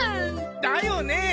だよねえ！